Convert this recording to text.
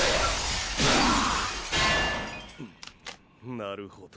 なるほど。